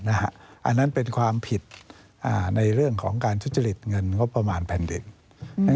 อันนั้นเป็นความผิดในเรื่องของการทุจริตเงินงบประมาณแผ่นดิน